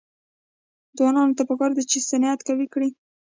ځوانانو ته پکار ده چې، صنعت قوي کړي.